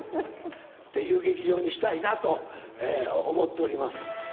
っていう劇場にしたいなと思っております。